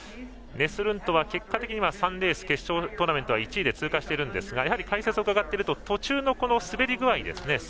ネスルントは結果的には３レース決勝トーナメントは１位で通過しているんですがやはり解説をうかがっていると途中の滑り具合ですね。